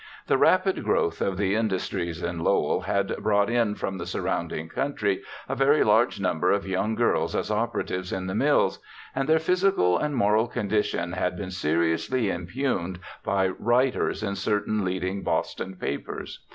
The rapid growth of the in dustries in Lowell had brought in from the surrounding country a very large number of young girls as operatives in the mills, and their physical and moral condition had been seriously impugned by writers in certain leading Boston papers.